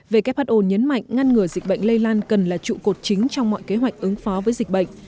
who nhấn mạnh ngăn ngừa dịch bệnh lây lan cần là trụ cột chính trong mọi kế hoạch ứng phó với dịch bệnh